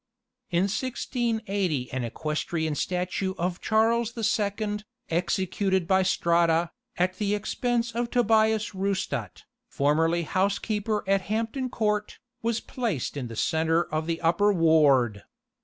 In 1680 an equestrian statue of Charles the Second, executed by Strada, at the expense of Tobias Rustat, formerly housekeeper at Hampton Court, was placed in the centre of the upper ward.